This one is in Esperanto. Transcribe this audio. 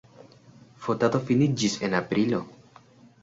Fotado finiĝis en aprilo.